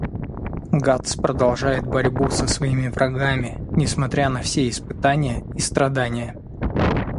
Гатс продолжает борьбу со своими врагами, несмотря на все испытания и страдания.